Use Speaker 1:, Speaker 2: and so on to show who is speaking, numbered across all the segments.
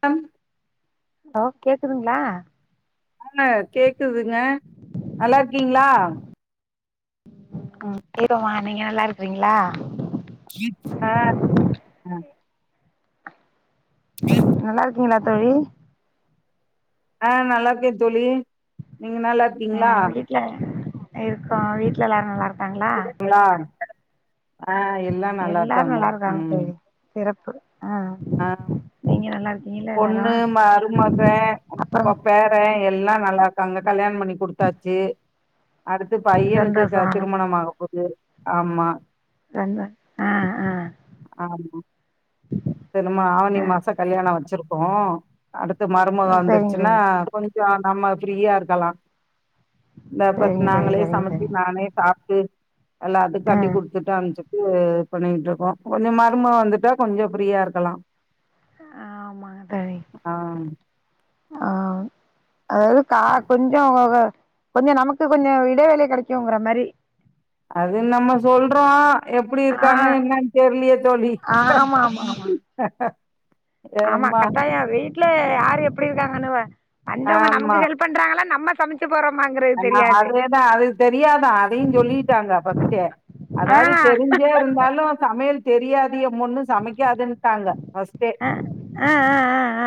Speaker 1: come
Speaker 2: hello கேக்குதுங்களா
Speaker 1: ஆ கேக்குதுங்க நல்லா இருக்கீங்ளா
Speaker 2: ம் ஏதோமா நீங்க நல்லா இருக்கிறீங்களா
Speaker 1: ஆ அ
Speaker 2: நல்லா இருக்கீங்களா தோழி
Speaker 1: ஆ நல்லா இருக்கே தோழி நீங்க நல்லா
Speaker 2: ஆ
Speaker 1: இருக்கீங்ளா
Speaker 2: வீட்ல இருக்கோ வீட்ல எல்லாரு நல்லாரு
Speaker 1: குடுங்களா ஆ எல்லா நல்லாருக்காங்க ம்
Speaker 2: பு
Speaker 1: ஆ
Speaker 2: இருக்கீங்களா எல்லாரு
Speaker 1: பொண்ணு மருமகே
Speaker 2: அப்புறம்
Speaker 1: பேரே எல்லா நல்லாருக்காங்க கல்யாணம் பண்ணி குடுத்தாச்சு அடுத்து பையனுக்கு க
Speaker 2: சந்தோஷோ
Speaker 1: திருமணம் ஆக போது ஆமா
Speaker 2: [unintelligible] அ அ
Speaker 1: தென்னமா ஆவணி மாச கல்யாண வச்சுருக்கோ அடுத் து மருமக
Speaker 2: சரிங்க
Speaker 1: வந்துருச்சுன்னா
Speaker 2: தோழி
Speaker 1: கொஞ் சோ நம்ம ஃப்ரீயா இருக்கலா இந்தா பத்
Speaker 2: சரிங்க தோழி
Speaker 1: நாங்களே
Speaker 2: சரிங்க
Speaker 1: சமச்சு
Speaker 2: தோழி
Speaker 1: நானே சாப்ட்டு எல்லாத்துக்
Speaker 2: ஆ
Speaker 1: கட்டி குடுத்துட்டு அம்ச்சு இது பண்ணிகிட்ருக்கோ கொஞ்சொ மருமக வந்துட்டா கொஞ்சொ ஃப்ரியாரு க்கலா
Speaker 2: ஆமாங்க தோழி
Speaker 1: ஆ
Speaker 2: அதாவ்து கா கொஞ்சோ கொஞ்சொ நமக்கு கொஞ்சொ இடைவேளி கெடைக்குங்குற மாரி
Speaker 1: அது நம்ம சொல்றோ எப்பிடி
Speaker 2: ஆ
Speaker 1: இருக்காங்க என்னன் தெர்லயே தோழி
Speaker 2: ஆமா ஆமா ஆமா ஆமா
Speaker 1: ஏம்மா
Speaker 2: கட்டாயோ வீட்ல யார் எப்டி இருக்காங்கன்னுவ வந்தவுங்க
Speaker 1: ஆமா
Speaker 2: நமக்கு ஹெல்ப் பண்றாங்களா நம்ம சமச்சு
Speaker 1: ஆமா அதேதா அது தெரியாதா அதையு சொல்லிட்டாங்க ஃபஸ்ட்டே
Speaker 2: ஆ
Speaker 1: அதாது தெரிஞ்சே இருந்தாலு சமையல் தெரியா து எம் பொண்ணு சமைக்காதுன்ட்டாங்க ஃபஸ்ட்டே
Speaker 2: அ ஆ ஆ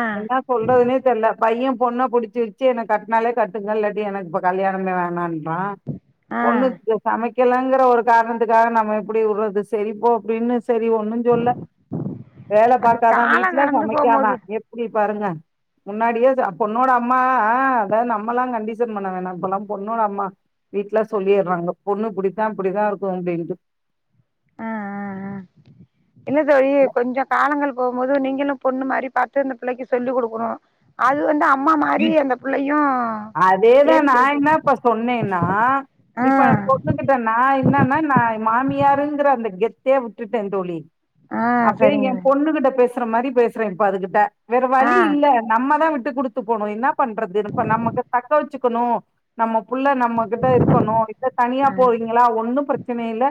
Speaker 2: ஆ ஆ
Speaker 1: என்னா சொல்றதுனே தெர்ல பைய பொண்ண புடுச்சுருச்சு எனக் கட்னாலே கட்டுங்க இல்லாட்டி எனக் ப கல்யாணமே வேணான் றா
Speaker 2: ஆ
Speaker 1: பொண்ணுக்கு சமை க்கலெங்குற ஒரு காரணத்துக்காக நம்ம எப்பிடி உர்றது செரி போ அப்டின்னு செரி ஒன்னு சொல்ல வேல
Speaker 2: அது
Speaker 1: பாக்காதா
Speaker 2: காலோ
Speaker 1: வீட்ல
Speaker 2: கடந்து
Speaker 1: சமைக்காதா
Speaker 2: போம்போது
Speaker 1: எப்டி பாருங்க முன்னாடியே பொண்ணோட அம்மா ஆ அதா நம்மல்லா கண்டிசன் பண்ண வேணா அப்பல்லா பொண்ணோட அம்மா வீட்டுல சொல்லிடுறாங்க பொண்ணு இப்டித்தா இப்டித்தா இருக்கு அப்டின்ட்டு
Speaker 2: ஆ ஆ ஆ என்னது அய்யய்யோ கொஞ்ச காலங்கள் போகும் போதுநீங்களு பொண்ணு மாரி பாத்து இந்த பிள்ளைக்கு சொல்லி குடுக்கணு அது வந்து அ
Speaker 1: அதேதா நா
Speaker 2: ஏத்துக்கிட்டு
Speaker 1: என்ன இப்ப சொன்னேனா
Speaker 2: ஆ
Speaker 1: இப்ப பொண்ணுகிட்ட நா என்னன்னா நா மாமியாருன் ங்கர அந்த கெத்தே விட்டுட்டே தோழி
Speaker 2: ஆ
Speaker 1: அப்பயு
Speaker 2: சரிங்க
Speaker 1: எ
Speaker 2: தோழி
Speaker 1: பொண்ணுகிட்ட பேஸ் த்ர மாரி பேச்றே இப்ப அதுகிட்ட வேற
Speaker 2: ஆ
Speaker 1: வழி இல்ல நம்மதா விட் ட்டுகுடு த்து போகணு என்ன பண்றதுஇப்ப நமக்கு தக்க வச்சுக்கணு நம்ம புள்ளநம்மகிட்ட இருக்கணு இல்ல தனியா
Speaker 2: ஆ
Speaker 1: போறீங்களா ஒண்ணு பிரச்சன இல்ல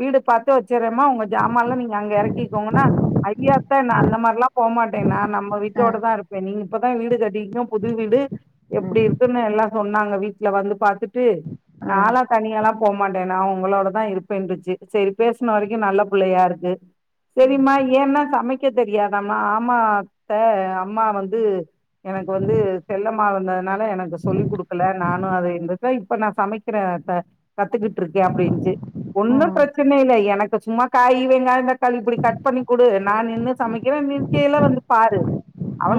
Speaker 1: வீடு பாத்து வச்சிர்றேமா உங்க ஜாமான்ல்லா நீங்க அங்க எறங்கிக்கோங்கன்னா அடியாத்தா அந்த மாரிலா போமாட்டேன்னா நம்ம
Speaker 2: ஆ ஆ
Speaker 1: வீட்டோட தா இருப்பே நீங் இப்பதா வீடு கட்டி கோ புது வீடு எப்டி இருக்குன்னு எல்லா சொன்னாங்க வீட்ல வந்து பாத்துட் டு
Speaker 2: ஆ ஆ
Speaker 1: நாலா தனியாலா போமாட்டே நா உங்களோடதா இருப்பேன்ட்ருச்சு சரி பேசின வரைக்கு நல்ல பிள்ளையா இருக்கு சரிம்மா ஏன்னா சமக் க்க தெரியாதாமா ஆமா அத்த அம்மா வந்து எனக் கு வந்து செல்லமா வந்ததுனால எனக்கு சொல்லிக் குடுக்கல நானு அத [unintelligible] இப்ப நா சமைக்கிறே அத்த கத்துக்கிட்ருக்கே அப்படினுச்சு ஒன்னு
Speaker 2: ம்
Speaker 1: பிரச்சன இல்ல எனக்கு சும்மா காய் வெங்காயோ தக்காளி இப்டி கட் பண்ணி குடு நா நின்னு சமைக்கிறே நிர்க்கைல வந்து பாரு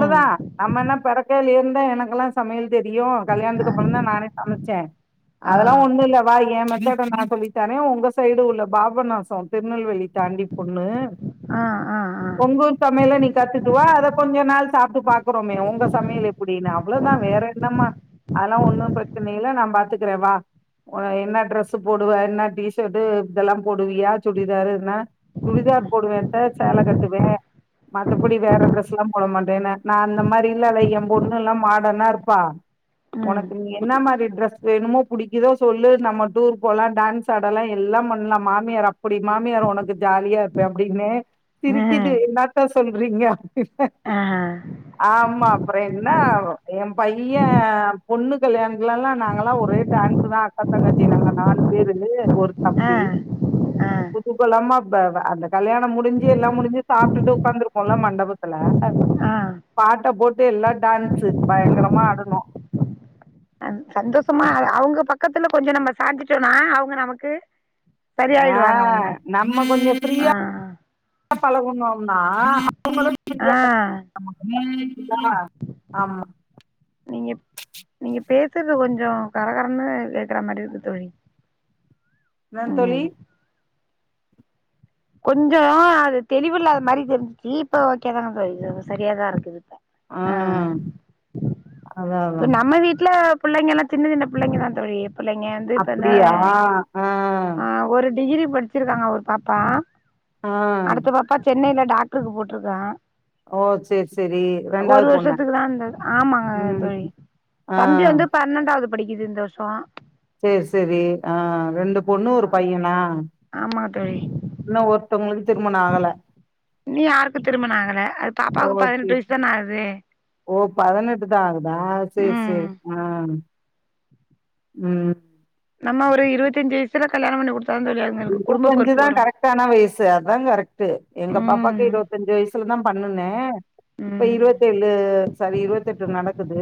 Speaker 2: ம்
Speaker 1: நம்ம என்ன பெரக் [unintelligible] இருந்தா எனக்குல்லா சமையல் தெரியு கல்யாணத்துக்கு
Speaker 2: ஆ
Speaker 1: அப்புறந்தா நானே சமச்சே
Speaker 2: ஆ
Speaker 1: அதெல்லா ஒண்ணு இல்ல வாயே மெத்தட நா சொல்லித்தரே உங்க சைடு உள்ள பாபநாசோ திருநெல்வேலி தாண்டி பொண்ணு
Speaker 2: ஆ ஆ ஆ
Speaker 1: உங்க ஊர் சமயல நீ கத்துட்டுவா அத கொஞ்ச நாள் சாப்ட்டு பாக்றோமே உங்க சமையல் எப்படினு அவ்வளதா வேற என்னமா அதல்லா ஒண்ணு பிரச்சன இல்ல நா பாத்துக்கிறே வா என்ன ட்ரெஸ்ஸு போடுவே என்ன டிஷர்ட் இதெல்லா போடுவியா சுடிதாரு சுடிதார் போடுவே சேல கட்டுவே மத்தபடி வேற டிரெஸ் எல்லா போட மாட்டேன்ன நா அந்த மாரி இல்லல்ல எ பொண்ணு எல்லா மாடனா இருப்பா
Speaker 2: ம்
Speaker 1: உனக்கு நீ என்ன மாரி ட்ரெஸ்ஸு வேணுமோ பிடிக்குதோ சொல்லு நம்ம டூர் போலா டான்ஸ் ஆடலா எல்லா பண்ணலா மாமியார் அப்படி மாமியார் உனக்கு ஜாலியா இருப்ப அப்டின்னே சிரிக்குது
Speaker 2: ம்
Speaker 1: என்னாத்த சொல்றீங்க
Speaker 2: ஆ
Speaker 1: ஆம் மா அப்புற என்ன எ பையே பொண்ணு கல்யாணத்லலா நாங்கல்லா ஒரே டான்ஸ் தா அக்கா தங்கச்சி நாங்க நாலு பேரு ஒரு
Speaker 2: ஆ ஆ
Speaker 1: அப்டி குதுகலமா இப்ப வ அந்த கல்யாணம் முடிஞ்சி எல்லாம் முடிஞ்சி சாப்பிட்டுட்டு உட்காந்துருக்கோல்ல மண்டபத்துல அம்
Speaker 2: ஆ
Speaker 1: பாட்ட போட் ட்டு எல்லா டான்ஸு பயங்கரமா ஆடணு
Speaker 2: அ சந்தோஷமா அது அவங்க பக்கத்துல கொஞ்ச நம்ம சஞ்சிட்டோனா அவுங்க நமக்கு
Speaker 1: ஆ
Speaker 2: சரியாயிடுவாங்க அவங்க ஆ
Speaker 1: பழகுனு ந
Speaker 2: ஆ
Speaker 1: [unintelligible] ஆ ஆமா
Speaker 2: நீங்க நீங்க பேசுறது கொஞ்சோ கரகரன்னு கேக்குற மாரி இருக்கு தோழி
Speaker 1: என்ன தோழி
Speaker 2: ம் கொஞ்சோ அது தெளிவு இல்லாத மாரி தெரிஞ்சிச்சி இப்ப ஓகே தாங்க தோழி சரியாதா இருக்கு ஆ
Speaker 1: அதா அதா
Speaker 2: இப்ப நம்ம வீட்ல புள்ளைங்க எல்லா சின்ன சின்ன புள்ளைங்கதா தோழி புள்ளைங்க வந்து இப்ப இந்த
Speaker 1: அப்பிடியா ஆ
Speaker 2: ஆ ஒரு டிகிரி படிச்சிருக்காங்க ஒரு பாப்பா
Speaker 1: ஆ
Speaker 2: அடுத்த பாப்பா சென்னையில டாக்டுருக்கு போட்ருக்கா
Speaker 1: ஓ சேரி சேரி
Speaker 2: ஒரு
Speaker 1: ரெண்டாவது பொண்ணா
Speaker 2: வருஷத்துக்குதா இருந்தது ஆமாங்க
Speaker 1: ம்
Speaker 2: தோழி
Speaker 1: ஆ
Speaker 2: தம்பி வந்து பன்னெண்டாவது படிக்குது இந்த வருஷோ
Speaker 1: செரி செரி ஆ ரெண்டு பொண்ணு ஒரு பையனா
Speaker 2: ஆமாங்க தோழி
Speaker 1: ஒருத்தவுங்களுக்கு திருமணோ ஆகல
Speaker 2: இன்னியு யாருக்கு திருமணம் ஆகல அது
Speaker 1: ஓ
Speaker 2: பாப்பாவுக்கு பதினெட்டு
Speaker 1: சேரி
Speaker 2: வயசு தான ஆகுது
Speaker 1: ஓ பதினெட்டு தா ஆகுதா சேரி
Speaker 2: ம்
Speaker 1: சேரி ஆ ம் ம்
Speaker 2: நம்ம ஒரு இருவத்தஞ்சி வயசுல கல்யாணம் பண்ணி குடுத்து
Speaker 1: இருவத்தஞ்சிதா கரெக்டானா வயசு அதா கரெக்ட்டு எங்க பாப்பாக்கு
Speaker 2: ம்
Speaker 1: இருவத்தஞ்சி வயசுலதா பண்ணனே இப்ப
Speaker 2: ம்
Speaker 1: இருவத்து ஏழு சாரி இருவத்எட்டு நடக்குது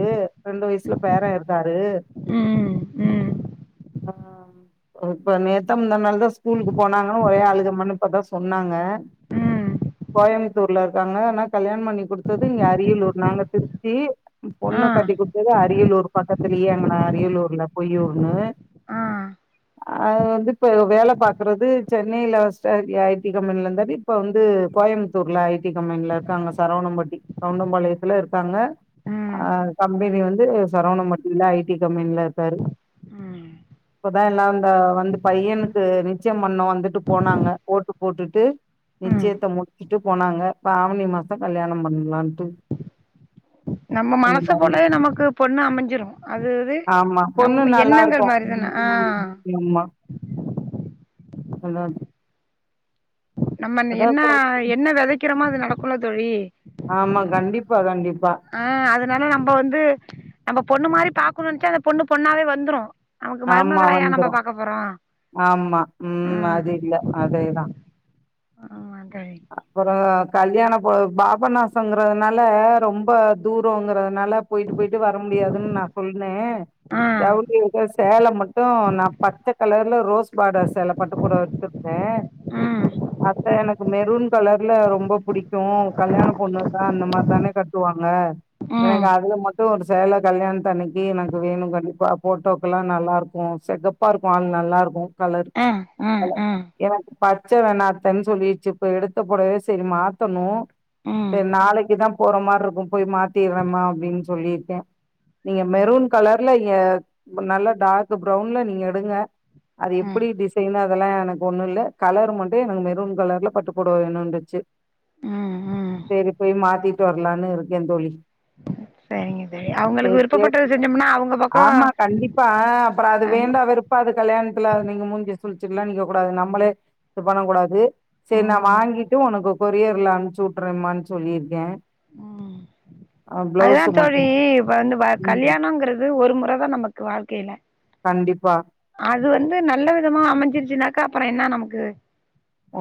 Speaker 1: ரெண்டு வயசுல பேர இருக்காரு
Speaker 2: ம் ம்
Speaker 1: ஆ இப்ப நேத்தா முந்தா நாள்தா ஸ் ஸ்கூலுக்கு போனாங்கன்னு ஒரே அழுக அம்மான்னு இப்ப தான் சொன்னாங்க
Speaker 2: ம்
Speaker 1: கோயம்பத் தூர்ல இருக்காங்க ஆனா கல்யாணம் பண்ணி கொடுத்தது இங்க அரியலூர் நாங்க திருச்சி
Speaker 2: ஆ
Speaker 1: பொண்ணு கட்டி கொடுத்தது அரியலூர் பக்கத்துலயே அங்கன அரியலூர்ல பொய்யூர்னு
Speaker 2: ஆ
Speaker 1: அது வந்து இப்ப வேலை பார்த் சென்னையில ஐடி கம்பெனில இருந்தாரு இப்ப வந்து கோயம்புத்தூர்ல ஐடி கம்பெனில இருக்காங்க சரவணம்பட்டி கவுண்டம்பாளையத்துல இருக்காங்க
Speaker 2: ம்
Speaker 1: அஹ் கம்பெனி வந்து சரவணம்பட்டியில ஐடி கம்பெனில இருக்காரு
Speaker 2: ம்
Speaker 1: இப்பதான் எல்லாம் வந்து பையனுக்கு நிச்சயம் பண்ணுணோம் வந்துட்டு போனாங்க ஓட்டு போட்டுட்டு
Speaker 2: ம்
Speaker 1: நிச்சயத்தை முடிச்சுட்டு போனாங்க இப்ப ஆவணி மாசம் கல்யாணம் பண்ணலாம்ட்டு
Speaker 2: நம்ம மனசு போலவே நமக்கு பொண்ணு அமைஞ்சிடும் அது அது
Speaker 1: ஆமா பொண்ணு
Speaker 2: நம்ம
Speaker 1: நல்லா
Speaker 2: எண்ணங்கள்
Speaker 1: இருக்கு
Speaker 2: மாதிரிதானே
Speaker 1: ம்
Speaker 2: ஆஹ்
Speaker 1: அதான்
Speaker 2: நம்ம என்ன என்ன விதைக்கிறோமோ அது நடக் போல தோழி
Speaker 1: ஆமா கண்டிப்பா எப்போ வராங்க
Speaker 2: ஆஹ் அதனால நம்ம வந்து நம்ம பொண்ணு மாதிரி பாக்கணும்ட்டு அந்த பொண்ணு பொண்ணாவே வந்துரும்
Speaker 1: ஆமா வந்துரும் ஆமா உம்
Speaker 2: ம்
Speaker 1: அது இல்ல அதே தான்
Speaker 2: ஆமா தோழி
Speaker 1: அப்புறம் கல்யாணம் போ பாபநாசங்கிறதுனால ரொம்ப தூரங்கிறது நான்லாம் போயிட்டு போயிட்டு வர முடியாதுன்னு நான் சொன்னேன்
Speaker 2: ஆ
Speaker 1: ஜவுளி சேலை மட்டும் நான் பச்ச கலர்ல ரோஸ் பார்டர் சேலை பட்டு புடவை எடுத்துருக்கேன்
Speaker 2: ம்
Speaker 1: அப்ப எனக்கு மெரூன் கலர்ல ரொம்ப புடிக்கும் இப்போ கல்யாண பொண்ணு தான் அந்த மார்தான் கட்டுவாங்க
Speaker 2: ம்
Speaker 1: எனக்கு அதுல மட்டும் ஒரு சேலை கல்யாண தன்னைக்கு எனக்கு வேணும் கண்டிப்பாக போட்டோக்கெல்லாம் நல்லாருக்கும் செகப்பாக இருக்கும் ஆள் நல்லாருக்கும்
Speaker 2: ஆஹ் ஆஹம் ஆஹம்
Speaker 1: பச்சவநாத்தன்னு சொல்லி இப்ப எடுத்த புடவையே மாத்தணும்
Speaker 2: ம்
Speaker 1: சரி நாளைக்கு தான் போற மாதிரி இருக்கும் போய் மாத்திடனும்மான்னு அப்படின்னு சொல்லிருக்கேன் நீங்க மெரூன் கலர்ல இங்க நல்லா டார்க்க் ப்ரவுன்ல நீங்க எடுங்க அது
Speaker 2: ம்
Speaker 1: எப்படி டிசைனா அதெல்லா எனக்கு ஒன்னு இல்ல கலர் மட்டு எனக்கு மெரூன் கலர்ல பட்டு பொடவ வேணுன்ருச்சு
Speaker 2: ம் ம்
Speaker 1: சரி போய் மாத்திட்டு வரலான்னு இருக்கே தோழி
Speaker 2: சரிங்க தோழி அவங்களுக்கு
Speaker 1: சேரி சேரி
Speaker 2: விருப்பப்பட்டது செஞ்சோம்னா அவங்க பக்கோ
Speaker 1: ஆமா கண்டிப்பா அப்பற அது
Speaker 2: நம்ம
Speaker 1: வேண்டா வெருப்பா அது கல்யாணத்துல நீங்க மூஞ்சி களுச்சுட்டுல்லா நிக்க கூடாது நம்மளே இது பண்ண கூடாது சரி நா
Speaker 2: ம்
Speaker 1: வாங்கிட்டு ஒனக்கு கொரியர்ல அனுப்ச்சு விட்றேமான்னு சொல்லியிருக்கே
Speaker 2: உம்
Speaker 1: ஆ
Speaker 2: அதுதா
Speaker 1: பிளவுஸ்
Speaker 2: தோழி
Speaker 1: மட்டு
Speaker 2: இப்ப வந்து
Speaker 1: ம்
Speaker 2: கல்யாணம்ங்கிறது ஒரு மொறதா நமக்கு வாழ்க்கையில
Speaker 1: கண்டிப்பா
Speaker 2: அது வந்து நல்ல விதமா அமஞ்சிருச்சுன்னாக்க அப்பற என்னா நமக்கு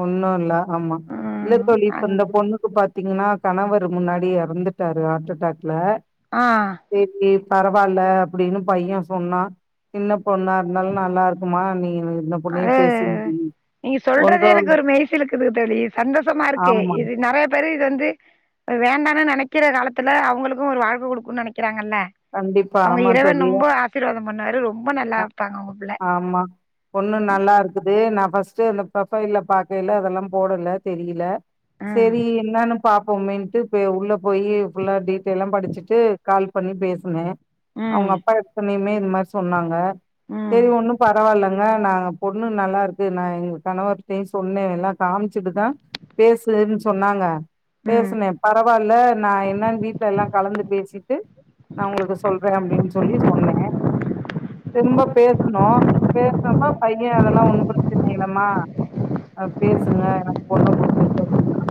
Speaker 1: ஒன்னு இல்ல ஆமா இல்ல
Speaker 2: ம்
Speaker 1: தோழி இப்ப
Speaker 2: அது
Speaker 1: இந்த பொண்ணுக்கு பாத்த பாத்தீங்கன்னா கணவரு முன்னாடி எறந்துட்டாரு ஹாட் அட்டாக்ல
Speaker 2: ஆ
Speaker 1: சேரி சேரி பரவால்ல அப்டின்னு பைய சொன்னா சின்ன பொண்ணா இருந்தாலு நல்லா இருக்குமா நீ ம் இந்த பொண்ணயே
Speaker 2: அது
Speaker 1: பேசி முடி
Speaker 2: நீங்க
Speaker 1: ஒன்
Speaker 2: சொல்றதே எனக்கு ஒரு மெய்சிலுக்குது தோழி சந்தோஷமா இருக்கு
Speaker 1: ஆமா
Speaker 2: இது நெறய பேரு இது வந்து வேண்டான்னு நெனக்குற காலத்துல அவுங்களுக்கும் ஒரு வாழ்க்க குடுக்ககம்னு நெனக்குறாங்க ன்னே
Speaker 1: கண்டிப்பா
Speaker 2: அவுங்க
Speaker 1: ஆமா
Speaker 2: இறைவன்
Speaker 1: தோழி
Speaker 2: ரொம்ப ஆசிர்வாதம் முன்னாடி ரொம்ப ரொம்ப நல்லா
Speaker 1: ஆ
Speaker 2: இருக்காங்க ஒங்க புள்ள
Speaker 1: ஆமா பொண்ணு நல்லா இருக்குது நா பர்ஸ்ட்டு அந்த ப்ரொஃபைல்ல பாக்கைல அதெல்லா போடல தெரியல
Speaker 2: ம்
Speaker 1: செரி என்னான்னு பாப்போம்மேன்ட்டு உள்ள போய் ஃபுல்லா டீட்டெய்ல்லா படுச்சுட்டு கால் பண்ணி பேசுனே
Speaker 2: ம்
Speaker 1: அவுங்க
Speaker 2: ம்
Speaker 1: அப்பா எடுத்தொனையுமே இது மாதிரி சொன்னாங்க செரி
Speaker 2: ம்
Speaker 1: ஒன்னும் பரவாயில்லங்க நாங்க பொண்ணு நல்லா இருக்கு நா எங்க கணவர்கிட்டயு சொன்னே எல்லா காம்ச்சுட்டுதா பேசுன்னு சொன்னாங்க
Speaker 2: ம்
Speaker 1: பேசுனே பரவால்ல நா என்னன்னு வீட்ல எல்லா கலந்து பேசிட்டு நா ஓங்களுக்கு சொல்றே அப்டின்னு சொல்லி சொன்னே திரும்ப பேசுனோ பேசுனப்பா பைய அதெல்லா ஒன்னு பிரச்சன இல்லமா பேசுங்க எனக்கு பொண்ணு புடிச்சிருக்கு அப்டின்னா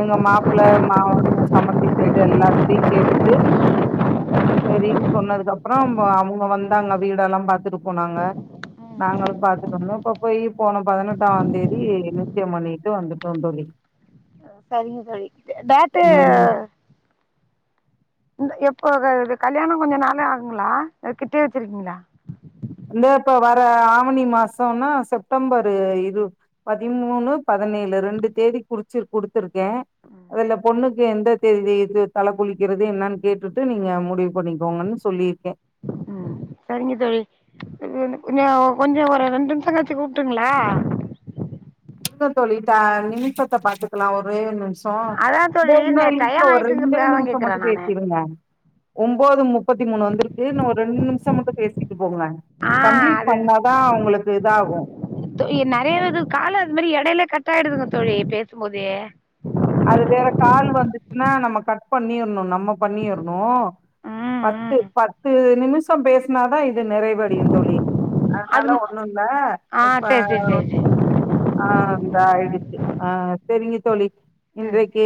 Speaker 1: எங்க மாப்பிள்ள மான் சம்பந்தி சைடு எல்லாத்துட்டையு கேட்டுட்டு செரின்னு சொன்னதுக்கு அப்பற அவுங்க வந்து வந்தாங்க வீடெல்லா பாத்துட்டு போனாங்க நாங்களு பாத்துட்டு வந்தோ இப்ப போய் போன பதினெட்டாம் தேதி நிச்சயம் பண்ணிட்டு வந்துட்டோ தோழி
Speaker 2: சரிங்க தோழி டாட்டு
Speaker 1: ம்
Speaker 2: எப்போ கல்யாண கொஞ்ச நாளே ஆகுங்ளா இல்ல கிட்டேயே வச்சுருக்கீங்ளா
Speaker 1: இந்த இப்ப வர ஆவணி மாசோனா செப்டம்பரு இது பதிமூனு பதினேழு ரெண்டு தேதி குறுச்சு குடுத்துருக்கு ஏ அதுல பொண்ணுக்கு இது எந்த தேதி இது தல குளிக்கிறது என்னன் கேட்டுட்டு நீங்க முடிவு பண்ணிக்கோங்கன்னு சொல்லிருக்கே
Speaker 2: ம் சரிங்க தோழி இன்னு கொஞ்சோ கொஞ்சோ ஒரு ரெண்டு நிமிஷங் கழிச்சு கூப்ட்டுங்களா
Speaker 1: இருங்க தோழி த நிமிஷத்த பாத்துக்கலா ஒரே நிமி ஷோ
Speaker 2: அதான்
Speaker 1: தோ
Speaker 2: தோழி
Speaker 1: இன்னு
Speaker 2: நே
Speaker 1: இருக்கே
Speaker 2: டயம்
Speaker 1: ஒரு ரெண்டே
Speaker 2: ஆயிட்டுங்கிறதுக்காக தான்
Speaker 1: நிமிஷோ
Speaker 2: கேட்குறேன்
Speaker 1: மட்டும்
Speaker 2: நான்
Speaker 1: பேசிருங்க ஒம்போது முப்பத்தி மூணு வந்திருக்கு இன்னோ ஒரு ரெண்டு நிமிஷோ மட்டு பேசி ட்டு போங்களே
Speaker 2: ஆ
Speaker 1: கம்ப்ளீட்
Speaker 2: அது
Speaker 1: பண்ணாதா உங்களுக்கு இதாகு
Speaker 2: நிறைய இது மாரி எடையிலயே கட்டாயிடுதுங்க தோழி பேசும்போதே
Speaker 1: அது வேற கால் வந்துச்சுன்னா நம்ம கட் பண்ணிறணு நம்ம பண்ணிறணு
Speaker 2: ம்
Speaker 1: பத்து
Speaker 2: ம்
Speaker 1: பத்து நிமிஷோ பேசினாதா இ து நிறைவடையுந் தோழி
Speaker 2: அது
Speaker 1: அதனால ஒண்ணு இல்ல
Speaker 2: ஆ
Speaker 1: இப்ப
Speaker 2: சரி சரி சரி சரி
Speaker 1: ஆ இந்தா ஆயிடுச்சு ஆ செரிங்க தோழி
Speaker 2: ம்
Speaker 1: இன்றைக்கி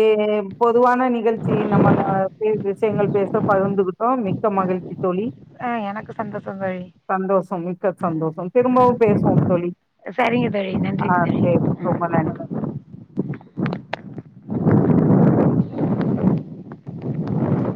Speaker 1: பொதுவான நிகழ்ச்சி நம்ம இந்த இது விஷயங்கள் பேச பகிர்ந்துகிட்டோ மிக்க மகிழ்ச்சி தோழி
Speaker 2: ஆ ஆ எனக்கு சந்தோஷம் தோழி
Speaker 1: சந்தோஷம் மிக்க சந்தோஷம்
Speaker 2: ஆ
Speaker 1: திரும்பவு பேசுவோ தோழி
Speaker 2: சரிங்க தோழி
Speaker 1: ஆ
Speaker 2: நன்றிங்க தோழி
Speaker 1: சேரி
Speaker 2: ம்
Speaker 1: ரொம்ப நன்றி